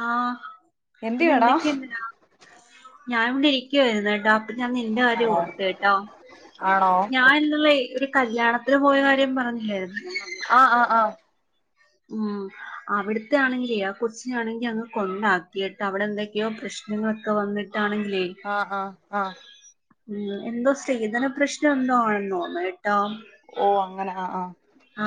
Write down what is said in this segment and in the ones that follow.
ആഹ് പിന്നെ എന്തിയെടാ എന്തൊക്കെയുണ്ടെടാ? ഞാൻ ഇവിടെ ഇരിക്കുവായിരുന്ന് കേട്ടോ. ഇപ്പം ഞാൻ നിന്റെ കാര്യം ആണോ ഓർത്ത് കേട്ടോ, ആണോ ഞാൻ ഇന്നലെയെ ഒരു കല്യാണത്തിന് പോയ കാര്യം പറഞ്ഞില്ലായിരുന്നോ? ആഹ് ആഹ് ആഹ്. ഉം അവിടത്തെ ആണെങ്കിലെ ആ കൊച്ചിനാണെങ്കിൽ അങ്ങ് കൊണ്ടാക്കിയിട്ട് അവിടെ എന്തൊക്കെയോ പ്രശ്നങ്ങളൊക്കെ വന്നിട് ആഹ് ആഹ് ആഹ്. ഉം എന്തോ സ്ത്രീധന പ്രശ്നം എന്തോ ആണെന്ന് തോന്നുന്നു എ ഓ അങ്ങനെ ആഹ് ആഹ്.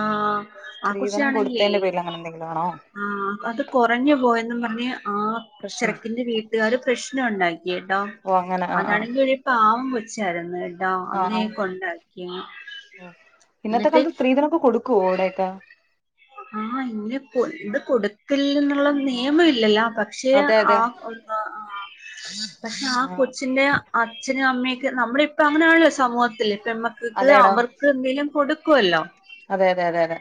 ആഹ് ആ സ്ത്രീധനം കൊച്ചിനാണെങ്കിലേ കൊടുത്തതിന്റെ പേരില് അങ്ങനെ എന്തെങ്കിലും ആണോ? ആഹ്. അത് കൊറഞ്ഞു പോയെന്നും പറഞ്ഞ് ആ പ്രശ്നം ചെറുക്കൻ്റെ വീട്ടുകാരും പ്രശ്നം ഉണ്ടായി. കേട്ടോ ഓ അങ്ങനെ ആഹ് ആഹ് അതാണെങ്കിൽ ഒരു പാവം കൊച്ച് ച്ചായിരുന്ന് കെ ആഹ് ആഹ് ഇന്നത്തെ എന്നിട്ട് കാലത്ത് സ്ത്രീധനൊക്കെ കൊടുക്കുവോ അവിടെ? [unintelligible] ആഹ് ഇങ്ങനെ കൊട് ഇത് കൊടുക്കല്ല് എന്നുള്ള നിയമ ഇല്ലല്ല പക്ഷെ അതെ ആ അതെ പക്ഷെ ആ ആഹ് കൊച്ചിന്റെ അച്ഛനും അമ്മയും ഒക് ക്കെ നമ്മുടെ ഇപ്പ അങ്ങനെയണല്ലോ സമൂഹത്തില്. പെൺമക്കക്ക് അവർക്ക് എന്തേലും കൊടുക് ക്കുവല്ലോ. അതെയതെയതെ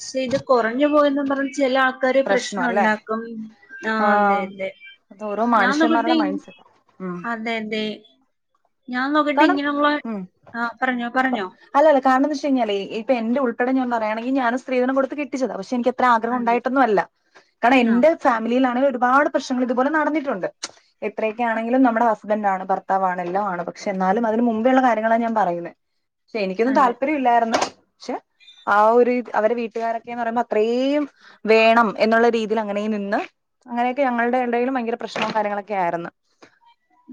ക്ഷേ ഇത് കുറഞ്ഞു പോയന്ന് പറഞ്ഞ് ചില ആൾക്കാര് പ്രശ്ന പ്രശ്നം അല്ലേ ഉണ്ടാക്കും ആ ആഹ് അതെതെ അത് ഓരോ ഞാൻ മനുഷ്യന്മാരുടെ മുമ്പിട്ടു മൈൻഡ് സെറ്റ് ഉം അതെതെ ആ പറഞ്ഞോ പറഞ്ഞോ അല്ലല്ല കാരണോന്നു വെച്ച് കഴിഞ്ഞാലേ ഇപ്പൊ എന്റെ ഉൾപ്പെടെ ഞാൻ പറ വേണോങ്കി ഞാനും സ്ത്രീധനം കൊടുത്തു കെട്ടിച്ചതാ പക്ഷേ എനിക്കത് ആഗ്രഹം അതെ ഉണ്ടായിട്ടൊന്നുമല്ല കാരണം ആ എന്റെ ഫാമിലിയിലാണെ ഒരു ഒരുപാട് പ്രശ്നങ്ങൾ ഇതുപോലെ നടന്നിട്ടുണ്ട് എത്രയക്കെ ആണെങ്കിലും നമ്മുടെ ഹസ്ബന്റ് ആണ് ഭർത്താവാണ് എല്ലാം ആണ് പ പക്ഷേ എന്നാലും അതിന് മുമ്പേയുള്ള കാര്യങ്ങളാണ് ഞാൻ പറയുന്നത് പക്ഷെ എനിക്കൊന്നും അതെ താല്പര്യമില്ലാ യിരുന്നു പക്ഷേ ആ ഒരു അവരെ വീട്ടുകാരൊക്കെയന്ന് പറയുമ്പോ അത്രേം വേണം എന്നുള്ള രീതിയിൽ അങ്ങനെ നിന്ന് അങ്ങനെയൊക്കെ ഞങ്ങളുടെ ഇടയിലും ഭയങ്കര പ്രശ്നവും കാര്യങ്ങളൊക്കെ ആയിരുന്നു.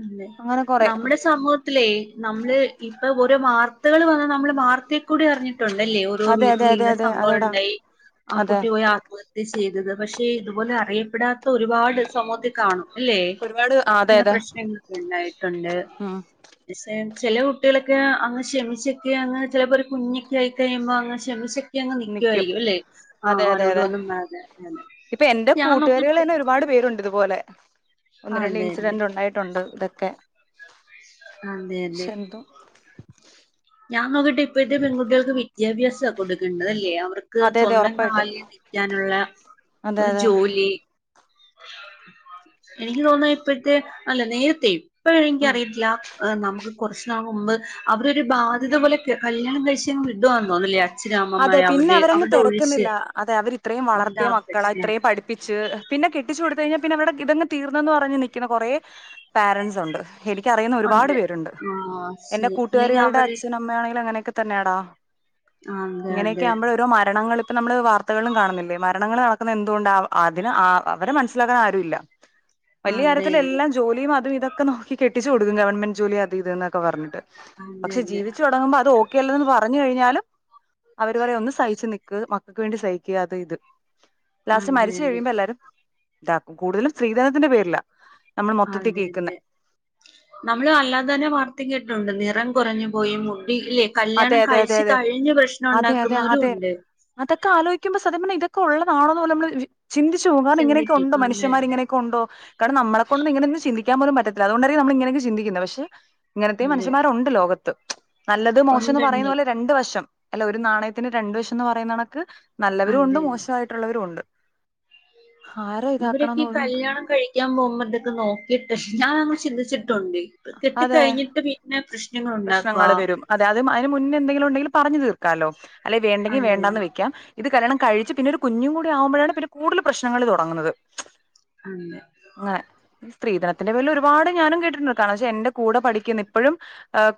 അല്ലെ അങ്ങനെ കൊറെ നമ്മുടെ സമൂഹത് ത്ലേ നമ്മള് ഇ [unintelligible] ഓരോ വർത്തകൾ വന്നാ നമ്മള് വാർത്ത കൂടി അറിഞ്ഞിട്ടുണ്ടല്ലേ ഓരോ അതെ അതെ വീട്ടിൽ അതെ ഇങ്ങനെ അതെ സംഭവം അതെടാ ഉണ്ടായി ആ അതെ കുട്ടി പോയി ആത്മഹത്യ ചെയ്തത് പക്ഷേ പക്ഷേ ഇതുപോലെ അറിയപ്പെടാത്ത ഒരുപാട് സമൂഹത്തിൽ കാണും. അല്ലേ ഒരുപാട് അതെ അതെ [unintelligible] ഉണ്ടായിട്ടുണ്ട് ഉം പക്ഷേ ചില കുട്ടികളൊക്കെ അങ്ങ് ക്ഷമിച്ചൊക്കെയങ്ങ് ചിലപ്പോൾ ഒരു കുഞ്ഞൊക്കെ ആയി കഴിയുമ്പോൾ അങ്ങ് ക്ഷമിച്ച് നിക്കും അതെയതെയതെ ഒന്നും പറയാതെ ഇപ്പൊ എന്റെ ഞാൻ കൂട്ടുകാരികൾ നോക്കിട്ട് തന്നെ ഒരുപാട് പേരുണ്ട് ഇതുപോലെ ഒന്ന് രണ്ട് അതെ അതെ ഇൻസിഡന്റ് ഉണ്ടായിട്ടുണ്ട് ഇതൊക്കെ അതെയതെ പക്ഷെ എന്തോ ഞാൻ നോക്കിട്ട് ഇപ്പഴത്തെ പെൺകുട്ടികൾക്ക് വിദ്യാഭ്യാസം താ കൊടുക്കണ്ടത് അല്ലിയോ ലെ അവർക്ക് അതെ അതെ സ്വന്തം ഉറപ്പായിട്ടും കാലിൽ നിൽക്കാനുള്ള അതെ ഒരു അതെ ജോലി എനിക്ക് തോന്നാ ഇപ്പോഴത്തെ അല്ല നേരത്തേയും ഇപ്പോഴ് എനിക്ക് ഉം അറിയില്ല നമുക്ക് കുറച്ച്നാൾ മുമ്പ് അവരൊരു ബാധ്യത പോലെ ഒക്കെ കല്യാണം കഴിച്ചങ്ങ് വിടുവാന്നോ അല്ലെ അതെ അച്ഛനമ്മമാര് പിന്നെ അവടെ അവരങ്ങ് അവരുടെ ഒഴിച്ച് തിരക്കുന്നില്ല അതെ അവര് ഇത്രയും വളർത്തിയ അതാ മക്കളാ പ്രശ്നം ഇത്രയും പഠിപ്പിച്ച് പിന്നെ കെട്ടിച്ചു കൊടുത്ത് കഴിഞ്ഞാൽ പിന്നെ അവരുടെ ഇതങ്ങ് തീർന്നന്ന് പറഞ്ഞ് നിക്കുന്ന കുറേ പാരൻറ്സ് ഉണ്ട്. എനിക്കറിയുന്ന ഒരുപാട് ഉണ്ട് പേരുണ്ട് ആഹ് എന്റെ ശരി ഇല്ലെങ്കിൽ കൂട്ടുകാരികളുടെ അവര് അച്ഛനും അമ്മ ആണെങ്കിലും അങ്ങനെ തന്നേടാ അതെ ഇങ്ങനെയൊക്കെ ആകുമ്പോൾ ഓരോ മരണങ്ങള് ഇപ്പ നമ്മള് വാർത്തകളില് കാണുന്നില്ലേ മരണങ്ങൾ നടക്കുന്ന എന്തുകൊണ്ടാ അതിന് അവരെ മനസ്സിലാക്കാൻ ആരുല്ല വലിയ അതെ അതെ കാര്യത്തില് എല്ലാം ജോലിയും അതും ഇതൊക്കെ നോക്കി കെട്ടി ട്ടിച്ച് കൊടുക്കും ഗവൺെന്റ് ജോലി അത് ഇത് എന്നൊക്കെ പറഞ്ഞട്ട് അതെ പക്ഷേ അതെ അതെ ജീവിച്ചു തുടങ്ങുമ്പോ അത് ഓ ഒക്കെല്ലന്ന് പറഞ്ഞു കഴിഞ്ഞാലും അവര് പറിയാ ഒന്ന് സഹിച്ച് നി ക്ക് മക്കക്ക് വേണ്ടി സഹിക്കാതെ അത് ഇത് ലാസ്റ്റ് മരിച്ച് അതെ കഴിയുമ്പോ എല്ലാരും ത കൂടുതലും സ്ത്രീധനത്തിന്റെ പേരിലാ നമ്മൾ മൊത്തത്തിൽ അതെ കേൾക്കുന്നെ ലെ നമ്മള് അല്ലാതെ തന്നെ വാർത്ത കേട്ടിട്ടുണ്ട് നിറം കുറഞ്ഞു പോയി ഇല്ലേ അതെ കല്യാണം അതെ അതെ കഴിച്ച് അതെ കഴിഞ്ഞ് പ്രശ്നം അതെ അതെ ഉണ്ടാക്കുന്നവരും അതെ ഉണ്ട് അതൊക്കെ ആലോയ്ക്കുമ്പോ സത്യം പർഞ്ഞ ഇതൊ ക്കൊ ഉള്ളതാണോന്ന് പോലെ നമ്മള് ചിന്തിച്ച് പോകും കാരണം ചിന്തിക്കും ഇങ്ങനെക്കൊണ്ടോന അതെ മനുഷ്യൻമാര് ഇങ്ങനെക്കൊണ്ടോ കാരണം നമ്മളെ കൊണ്ട് ഇങ്ങനെന്നും ചന്തി ൻ പോലും പറ്റത്തില്ല അതുകൊണ്ടയിരിക്കും നമ്മളി ങ്ങനൊക്കെ ചിന്തിക്കുന്നേ പക്ഷെ ഇങ്ങനത്തെയും അതെ മനുഷ്യൻമാരുണ്ട് ലോകത്ത് നല്ല ച്ച്ന്ന് ഉണ്ടുണ്ട് പറയുന്നത് പോലെ രണ്ട് വഷം അല്ല ഒരു നാണയത്തിന് രണ്ടു വശന്ന് പറയുന്ന കണക്ക് നല്ലവരുണ്ട് അതെ മോശമായിട്ടുള്ളവരുണ്ട് ഇവരൊക്കെ ഈ പോലും കല്യാണം കഴിക്കാൻ പോകുമ്പോ ഇതൊക്കെ നോക്കിട്ടെഷ് ഞാനന്നും ചിന്തിച്ചി ട്ടുണ്ട് കെട്ടി അതെ കഴിഞ്ഞിട്ട് വീട്ടിനകത്ത് ഇ പ്രശ്നങ്ങൾ വരും അതെ അത് [unintelligible] ഇതിന് മുന്നെ എന്തെങ്കിലുണ്ടങ്കിൽ പറഞ്ഞ് തീർ ക്കാലോ അല്ലെ വേണ്ടെങ്കി അതെ വേണ്ടാന്ന് വെക്കാം ഇത് കല്ല്യാണം കഴിച്ച് പിന്നെ ഒരു കുഞ്ഞും കൂടി ആവുമ്പോഴാണ് പിന്നെ കൂടുതൽ പ്രശ്നങ്ങൾ തൊടങ്ങുന്നത് ഉം [inaudible] സ്ത്രീധനത്തിന്റെപേരിൽ ഒരുപാട് ഞാനും കേട്ടിട്ടുണ്ട് കാരണം ക്ഷേ എന്റെ കൂടെ പഠിക്കുന്ന ഇപ്പഴും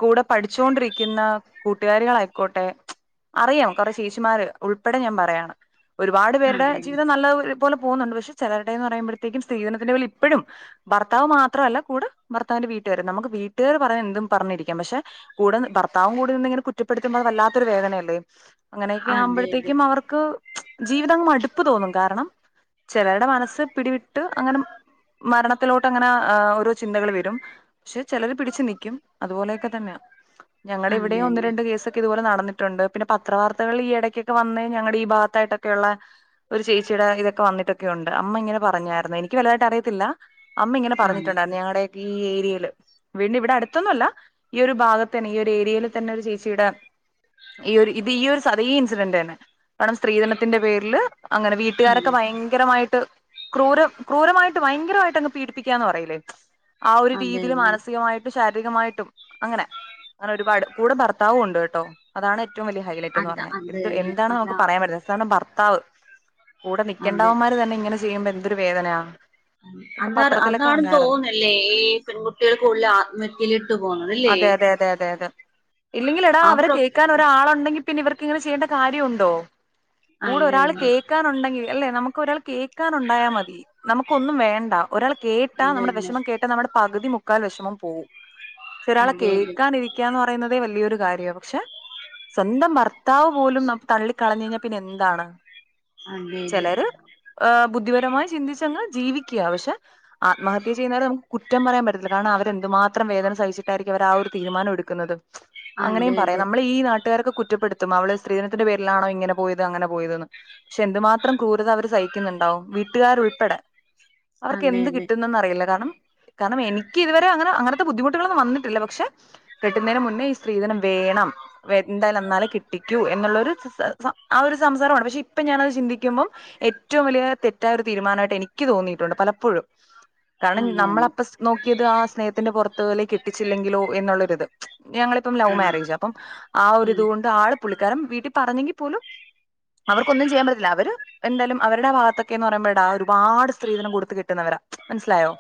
കൂടെ പഠിച്ചോണ്ടിരിക്കുന്ന കൂട്ടുകാരികളായിക്കോട്ടെ അറിയാം കൊറെ ചേച്ചിമാര് ഉൾപ്പെടെ ഞാൻ പറയാണ് ഒരുപാട് പേരുടെ അതെ ജീവിതം നല്ല [unintelligible] പോലെ പോകുന്നുണ്ട് പക്ഷെ ചെലേരുടെയന്ന് പറയുമ്പോഴത്തേക്കും സ്ത്രീധനത്തിന്റെ പേരിലിപ്പഴും ഭർത്താവ് മാത്രല്ല കൂടെ ഭർത്താവിന്റെ വീട്ടുകാരും നമുക്ക് വീട്ടുകാര് പറയന്തും പറഞ്ഞിരിക്കാം പക്ഷെ കൂടെ ഭർത്താവും കൂടെ നിന്ന ഇങ്ങനെ കുറ്റപ്പെടുമ്പോ അത് വല്ലാത്തൊരു വേദനയല്ലേ അങ്ങനെയെക്കെ അതെ ആകുമ്പഴത്തേക്കും അവർക്ക് ജീവിതം മട്പ്പ് തോന്നും കാരണം ചെലരുടെ മനസ്സ് പിടിവിട്ട് അങ്ങനെ മരണത്തിലോട്ട് അങ്ങനെ അ് ഓരോ ചിന്തകൾ വരും പക്ഷെ ചെലര് പിടിച്ച് നിക്കും അതുപോലെയെക്കെ തന്നെയാ ഞങ്ങളുടെ ഇവിടെയും അതെ ഒന്ന് രണ്ട് കേസൊക്കെ ഇതുപോലെ നടന്നിട്ടുണ്ട് പിന്നെ പത്ര വാർത്തകളിൽ ഈ എടക്ക്യൊക്കെ വന്ന ഞങ്ങടെ ഈ ഭാഗത്തായിട്ടൊക്കെയുള്ള ഒരു ചേച്ചിടെ ഇതൊക്കെ വന്നിട്ടൊക്കെ ഉണ്ട് അമ്മ ഇങ്ങനെ പറഞ്ഞായിരുന്നു എനിക്ക് വലുതായിട്ടറിയത്തില്ല അമ്മ ഇങ്ങനെ അതെ പറഞ്ഞിട്ടുണ്ടായിരുന്നു ഞങ്ങടെ ഈ ഏരിയയിൽ വീണ്ടും ഇവിടെ അടുത്ത് ടെതന്നുല്ല ഈ ഒരു ഭാഗത്ത് തന്നെ ഈ ഒരു ഏരിയയിൽ തന്നെ ഒരു ചേച്ചിയുടെ ഈ ഒരു ഇത് ഈ ഒരു സതീ ഇൻസിഡന്റ് തന്നെ കാരണം സ്ത്രീധനത്തിന്റെ പേരില് അങ്ങനെ അതെ വീട്ടുകാരൊക്കെ ഭയങ്കരമായിട്ട് ക്രൂര ക്രൂരമായിട്ട് ഭയങ്കരമായിട്ട് അങ്ങ് പീഡിപ്പിക്കാന്ന് പറയിലേ ആ ഒരു അതെ അതെ രീതിൽ മാനസികമായിട്ട് ശ ശാരീരികമായിട്ടും അങ്ങനെ അങ്ങനെ ഒരുപാട് കൂടെ ഭർത്താവും ഉണ്ട് കേട്ടോ അതാണ് ഏറ്റവും വലിയ ഹൈലൈറ്റ് എന്ന് അതെ അതെ അത അത് പറയുന്നെ തന്നെ എന്താണ് നമുക്ക് അതാ പറയാൻ പറ്റുന്നത് കാരണം ഭർത്താവ് താവ് കൂടെ അതെ നിക്കക്കണ്ടാവന്മാര് തന്നെങ്ങനെ ചെയ്യുമ്പഴ് തൊരു വേദനയാ ഇതൊക്കെ ന്താ പത്രത്തിലൊക്കെ അന്താണ വന്നായിരുന്നു തോന്നുന്നില്ലേ ഈ പെൺകുട്ടികൾ കൂടുതൽ ആത്മ ഇല്ലട്ട് അതെ അതെ അതെ അതെ അതെ ഇല്ലെങ്കിൽ എടാ അവരെ അവരൊ കേൾക്കാൻ ഒരാളുണ്ടെങ്കിൽ പിന്നെ ഇവർക്ക്ങ്ങനെ ചെയ്യേണ്ട കാര്യമുണ്ടോ? കൂടെ അതെ ഒരാൾ കേൾക്കാനുണ്ടെങ്കിൽ അല്ലേ നമുക്ക് ഒരാൾ കേക്കാൻ ഉണ്ടായാ മതി നമുക്കൊന്നും വേണ്ട ഒരാൾ കേട്ടാ നമ്മുടെ അതെ വിഷമം കേട്ട നമ്മുടെ പകുതി മുക്കാലും മുക്കാൽ വിഷമം പോവും പക്ഷ ഒരാളെ അതെന്നെ കേൾക്കാൻ ഇരിക്കാന്ന് പറഞ്ഞ പറയുന്നതെ വലിയൊരു കാര്യമാണ് പക്ഷെ സ്വന്തം ഭർത്താവ് താവ് പോലും നമ്മളെ തള്ളി കളഞ്ഞ് കഴിഞ്ഞാ പിന്നെ എന്താണ് അതെതെ ചിലര് ബുദ്ധിപരമായി ചിന്തിച്ചങ്ങ് ജീവിക്കുക പക്ഷെ ആത്മഹത്യ ചെയ്യുന്നവരെ കുറ്റം പറയാൻ പറ്റത്തില്ല കാരണം അവരെന്ത് മാത്രം വേദന സഹിച്ച് ട്ടയിരിക്കും അവർ ആ ഒരു തീരുമാനം എടുക്കുന്നത് അതെതെ അങ്ങനെയും പറയാം അതെതെ നമ്മളെ ഈ നാട്ടുകാർക്കൊ കുറ്റപ്പെടുത്തും അവള് സ്ത്രീധിനത്തിന്റെ പേരിലാണോ ഇങ്ങനെ പോയത് അങ്ങനെ പോയതന്ന് പക്ഷെ എന്തുമാത്രം ക്രൂരത അവര് സഹിക്കുന്നുണ്ടാവും വീട്ടുകാരു ഉൾപ്പെടെ അവർക്ക് എന്ത് അതെതെ കിട്ടുന്നന്ന് അറിയില്ല കാരണം കാരണം എനിക്ക് ഇതുവരെ അങ്ങനെ അങ്ങനത്തെ ബുദ്ധിമുട്ടുകളൊന്ന് വന്നിട്ടില്ല ട്ടില്ല പക്ഷെ കിട്ടുന്നതിന് മുന്നേ ഈ സ്ത്രീധനം വേണം എന്തായാലും തന്നാലേ കിട്ടിക്കൂ എന്നുള്ളൊരു സംസാ ആ ഒരു സംസാരമാണ് പക്ഷെ ഇപ്പൊ ഞാനത് ചിന്തിക്കുമ്പം ഏറ്റവും വലിയ തെറ്റായ ഒരു തീരുമാനമായിട്ട് എനിക്ക് തോന്നിയിട്ടുണ്ട് പലപ്പോഴും കാരണം നമ്മള അതെതെ അപ്പ നോക്കിയത് ആ സ്നേഹ ത്തിന്റെ പുറത്തുകളെ കി പിടിച്ചില്ലെങ്കിലോ എന്നഒള്ളോരിത് ഞങ്ങളിപ്പം ലവ് അതെ മാരേജ് അപ്പം ആ ഒരിതുകൊണ്ട് ആള് പുള്ളി കാരണം വീട്ടിൽ പറഞ്ഞെങ്കി പോലും അവർക്കൊന്നും ചെയ്യാൻ പറ്റില്ല അവര് എന്തേലും അവരുടെ ഭാഗത്തൊക്കെ എന്ന് പറയുമ്പോടാ ഒരുപാട് സ്ത്രീധനം കൊടുത്ത് കെട്ടുന്നവരാ മനസ്സിലായോ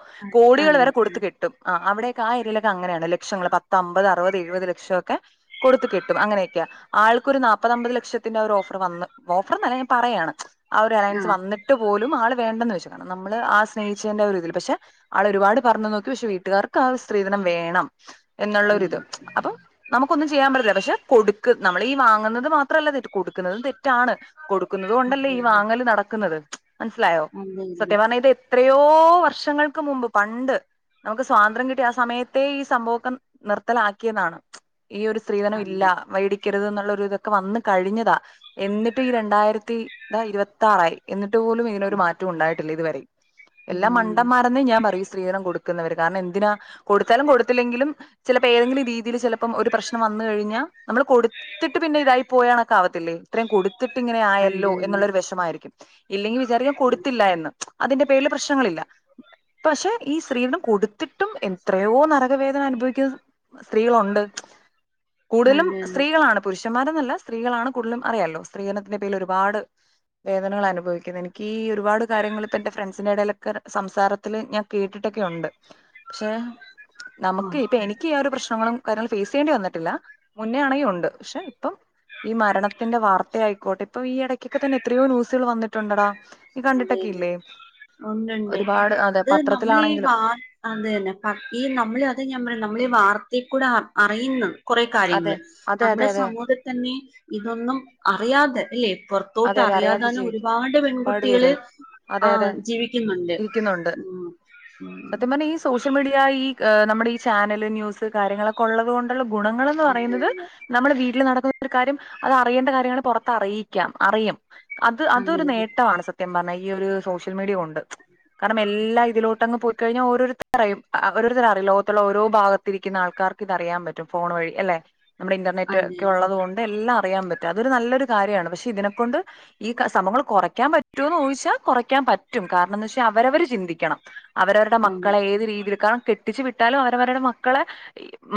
അതെ അതെ കോടികൾ അതെ വരെ കൊടുത്ത് കെട്ടും ആ അവിടെ [unintelligible] അങ്ങനെയാണ് ലക്ഷങ്ങള് പത്ത അമ്പത് അറുപത് എഴുപത് ലക്ഷൊക്കെ കൊടുത്ത് കിട്ടും അങ്ങനെക്കെയ ആൾക്കൊരു നാപ്പത്മ്പത് ലക്ഷത്തിന്റെ ഓഫർ വന്ന് ഓഫർനല്ല ഞാൻ പറയാണ് ആ ഒരു അലയൻസ് അതെ വന്നിട്ട് പോലും ആൾ വേണ്ടന്ന് വെച്ചു കാരണം നമ്മൾ ആ സ്നേഹിച്ചതിന്റെ ഒരു ഇതിൽ പക്ഷെ ആള് ഒരുപാട് പറഞ്ഞു നോക്കി പക്ഷെ വീട്ടുകാർക്ക് ആ സ്ത്രീ ധനം വേണം എന്നുള്ള ഉം ഒരിത് അപ്പൊ നമുക്കൊന്നും ചെയ്യാൻ പറ്റില്ല പക്ഷെ കൊടു ക്ക് നമ്മൾ ഈ വാങ്ങുന്നത് മാത്രമല്ലല്ലോ ഇത് കൊടുക്കുന്നതും തെ റ്റാണ് കൊടുക്കുന്നത് കൊണ്ടല്ലേ അതെ ഈ അതെ ആഹ് അതെതെ വാങ്ങല് നടക്കുന്നത് മനസ്സിലായോ അതെതെ അതെ അതെ അതെ സത്യം പറഞ്ഞ ഇത് എത്ര യോ വർഷങ്ങൾക്ക് മുമ്പ് പണ്ട് നമുക്ക് സ്വാതന്ത്ര്യം കിട്ടിയ ആ സമയത്തെ ഈ സംഭവമൊക്കെ നിർത്തലാക്കിയതാണ് ഈ ഒരു സ്ത്രീധനം ഇല്ല അതെ മേടി ക്കരുതെന്നുള്ള ഒരു ഇതൊക്കെ വന്ന് കഴിഞ്ഞതാ എന്നിട്ടും ഈ രണ്ടായിരത്തി ഇതാ ഇരുപത്താറായി എന്നിട്ട് പോലും ഇതിനൊരു മാറ്റം ഉണ്ടായി ട്ടില്ല ഇതുവരെയും എല്ലാ ഇല്ലില്ല മണ്ടന്മാരെന്നേ ഞാൻ പറയും ഈ സ്ത്രീധനം കൊടു ക്കുന്നവര് കാരണം എന്തിനാ കൊടുത്താലും കൊടുത്തില്ലെങ്കിലും ചിലപ്പോ ഏതെങ്കിലും രീതിയിൽ ചിലപ്പം ഒരു പ്രശ്നം വന്നു കഴിഞ്ഞാ നമ്മള് കൊടുത്തിട്ട് പിന്നെ ഇതായി പോയ കണക്ക് ആവത്തില്ലേ ഇത്രയും കൊടു ത്തിട്ട് ഇങ്ങനെ ആയല്ലോ അതെതെ എന്നുള്ളൊരു വിഷമായിരിക്കും ഇല്ലെങ്കിൽ വിചാരിക്കും കൊടുത്തില്ല എന്ന് അതിന്റെ പേരില് പ്രശ്നങ്ങളില്ല പക്ഷെ ഈ സ്ത്രീധനം കൊടുത്തിട്ടും എ എത്രയോ നരക വേദന അനുഭവിക്കുന്നത് സ്ത്രീകളുണ്ട് കൂടുതലും അതെതെ സ്ത്രീകളാണ് പുരുഷ പുക്ഷന്മാരന്നല്ല സ്ത്രീകളാണ് കൂടുതലും അറിയാാലോ സ്ത്രീകധനത്തിന്റെ പേര് ഒരുപാട് വേദനകൾ അനുഭവിക്കുന്നത് എനിക്ക് ഈ ഒരുപാട് കാര്യങ്ങൾ ഇപ്പൊ എന്റെ ഫ്രണ്ട്സിന്റെ ഇടയിലൊക്കെ സംസാരത്തില് ഞാൻ കേട്ടിട്ടൊക്കെുണ്ട് പക്ഷേ നമുക്ക് ആഹ് ഇപ്പൊ എനിക്ക് ഒരു പ്രശ്നങ്ങളും കാര്യങ്ങങ്ങള് ഫേസ് ചെയ്യേണ്ടി വന്നിട്ടില്ല മുന്നേ ആണെങ്കി ഉണ്ട് പക്ഷെ ഇപ്പം ഈ മരണത്തിന്റെ വാർത്ത ആയിക്കോട്ടെ ഇപ്പൊ ഈ ഇടയ്ക്കൊക്കെ തന്നെ എത്രയോ ന്യൂസുകൾ വന്നിട്ട് ട്ടുണ്ടടാ ഇല്ലല്ലെ ഒന്ന ഒരുപാട് അതെ ഉണ്ട്ണ്ട്ഇത് നമ്മളീ വ പത്രത്തിലാണെങ്കിലും അതു തന്നെ ഈ നമ്മള അതത് ഞാൻ പറയാ നമ്മളഈ വാർ ക്കൂടെ അറിയുന്നു കുറെ അതെ കാര്യങ്ങള് അതെ നമ്മുടെ അതെ അതെ സമൂഹത്തിൽ തന്നെ ഇതൊന്നും അറിയാതെ അല്ലേ പുറത്തോട്ട് അതെ അതെ അറിയാതെ അറിയാതാനും ജീവിക്കും ഒരുപാട് പെൺകുട്ട ഒരുപാട് അതെ അതെ വിളിക്കുന്നുണ്ട് ഉം ഉം സത്യം പറഞ്ഞാ ഈ സോഷ്യൽ മീഡിയാ ഈ നമ്മുടെ ഈ ചാനല് ന്യൂസ് കാര്യങ്ങളൊക്കെ ഉള്ളത് കൊണ്ട് ഗുണങ്ങൾന്ന് അതെ പറയുന്നത് നമ്മുടെ വീട്ടിൽ നടക്കുന്ന ഒരു കാര്യം അത് അറിയേണ്ട കാര്യങ്ങൾ പുറത്ത് അറിയി ക്കാം അറിയും അത് അതൊരു അതെ നേട്ടമാണ് സത്യം പറഞ്ഞാ ഈ ഒരു സോഷ്യൽ മീഡിയ കൊ കാരണം എല്ലാ ഇതിലോട്ടങ്ങ് പോയിക്കഴിഞ്ഞാൽ ഓരോരുത്തരറിയും ഓരോര്ത്തരറി ലോകത്തുള്ള ഓരോ ഭാഗത്തിരിക്കുന്ന ആൾക്കാർക്ക് ഇതറിയാൻ പറ്റും ഫോൺ വഴി അല്ലെ നമ്മുടെ ഇന്റർനെറ്റ് അതെ ഒക്ക ഉള്ളത കൊണ്ട് എല്ലാം അറിയാൻ പറ്റും അതൊരു നല്ലൊരു കാര്യമാണ് പക്ഷെ ഇതിനെക്കൊണ്ട് ഈ സംഭവങ്ങൾ കൊറയ്ക്കാൻ പറ്റോന്ന് ചോദിച്ചാൽ കൊറയ്ക്കാൻ പറ്റും കാരണം എന്ന് വെച്ചാൽ അവരവര് ചിന്തിക്കണം അവരവരുടെ അതെ അതെ മക്കളെ ഏത് രീതിയിൽ കാണം കെട്ടിച്ചു വിട്ടാലും അവരവരുടെ മക്കളെ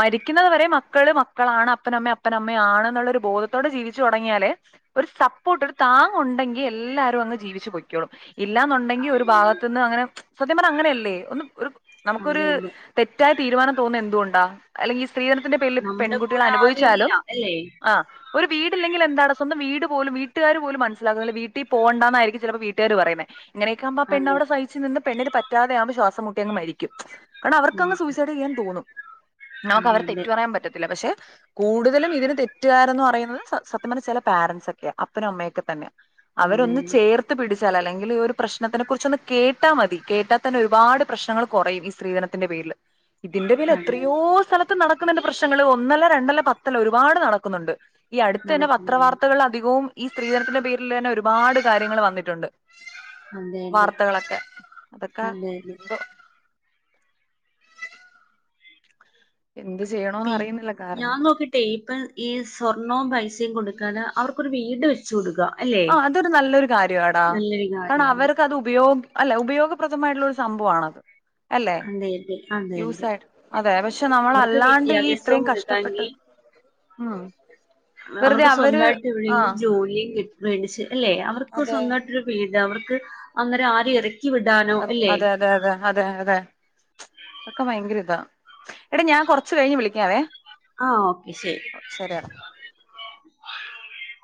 മരിക്കുന്നത് വരെ മക്കള് മക്കളാണ് അപ്പനമ്മ അപ്പനമ്മ ആണ് എന്നുള്ളൊരു ബോധത്തോടെ ജീവിച്ചു തുടങ്ങിയാലേ ഒരു സപ്പോർട്ട് ഒരു താങ്ങ് ഉണ്ടെങ്കി എല്ലാരും അങ്ങ് ജീവിച്ചു പൊയ്ക്കോളും ഇല്ലാന്നുണ്ടെങ്കിൽ ഒരു അതെ ഭാഗത്തു നിന്ന് അങ്ങനെ സത്യം പറഞ്ഞ അങ്ങനെയല്ലേ ഒന്ന് ഒരു നമുക്കൊരു അതെ അതെ തെറ്റായ തീരുമാനം തോന്നുന്ന എന്തുകൊണ്ടാ അല്ലെങ്കിൽ സ്ത്രീധനത്തിന്റെ പേരിൽ നമ്മുടെ പെൺകുട്ടികൾ കൂടെ ആരും ഇല്ല അനുഭവിച്ചാലും അല്ലേ ആ ഒരു വീട് ഇല്ലെങ്കിൽ എന്താണ് സ്വന്തം വീട് പോലും വീട്ടുകാര് പോലും മനസ്സിലാക്കുന്നില്ല വീട്ടിൽ പോണ്ടാന്നായിരിക്കും ചിലപ്പോ വീട്ടുകാര് പറയുന്നത് ഇങ്ങനെയൊക്കെയാമ്പം ആ അതെ പെണ്ണവിടെ സഹിച്ച് നിന്ന് പെണ്ണിന് പറ്റാതെ ആവുമ്പം ശ്വാസം മുട്ടിയങ്ങ് മരിക്കും ഉം കാരണംഅവർക്കങ് സൂയിസൈഡ് ചെയാൻ തോന്നും നമുക്ക് അവരെ അതെ അതെ തെറ്റു പറയാൻ പറ്റത്തില്ല പക്ഷെ കൂടുതലും ഇതിന് തെറ്റുകാരന്ന് പറയുന്ന സത്യം പറഞ്ഞ ചെല പാരൻസ അപ്പനും അമ്മയൊക്കെ തന്നെ അതെ അവരൊന്ന് അതെ ചേർത്ത് പിടി അല്ലെങ്കിൽ ഒരു പ്രശ്നത്തെ കുറിച്ചൊന്ന് കേട്ടാ മതി കേട്ടാൽ തന്നെ ഒരുപാട് പ്രശ്നങ്ങൾ കൊറയും ഈ സ്ത്രീധനത്തിന്റെ പേരില് ഇതിന്റെ പേരിൽ അതെ എത്രയോ സ്ഥലത്ത് നട ക്കുംനന്റെ പ്രശ്നങ്ങള് ഒന്നല്ല രണ്ടല്ല പത്തല്ല ഒരുപാട് നടക്കുന്നുണ്ട് ഈ അടുത്തെന്നെ പത്ര നടക്കുന്നുണ്ട് വാർത്തകള വും ഈ സ്ത്രീധനത്തിന്റെ പേരിൽന്നെ ഒരുപാട് കാര്യങ്ങൾ വന്നിട്ടുണ്ട് അതെ അതെ വാർത്തകളൊക്കെ അതൊക്കെ അതെ അതെ എന്തോ എന്ത് ചെയ്യണോന്ന് പിൻ അറിയുന്നില്ല കാരണം ഞാൻ നോക്കിട്ടെ ഇപ്പൊ യെസ് സ്വർണവും പൈസയും കൊടുക്കാതെ അവർക്കൊരു വീട് വെച്ച് കൊടുക്ക ആ അതൊരു നല്ലൊരു കാര്യാടാ കാരണം കാര്യമാണ് അവർക്കത് ഉപയോഗ് അല്ല ഉപയോഗപ്രദമായിട്ടുള്ളൊരു സംഭവാണത് അല്ലെ അതെ അതെ അതെ അതെ യൂസായിട് അതെ പക്ഷെ അവർക്ക് നമ്മളല്ലാണ്ട് ഈ വിദ്യാഭ്യാസവും ഇത്രയും കഷ്ടപ്പെട്ടത് കൊടുക്കാമെങ്കിൽ ആ [unintelligible] അവർക്ക് സ്വന്തായിട്ട് എവിടേങ്കിലും ആഹ് ജോലിം കിട്ട മേടിച്ച അല്ലെ അവർക്ക് അതെ സ്വന്തമായിട്ടൊരു പീജാവർക്ക് അങ്ങനെ ആരെയെറി ക്കി വിടാനോ അല്ലെ അതെ അതെ അതെ അതെ അതെ പ്പൊക്കെ ഭയങ്കര താ എടീ ഞാൻ കുറച്ച കഴിഞ്ഞ് വിളിക്കാവേ ആ ഓക്കെ ശരി ശരിയെടാ [inaudible] [unintelligible]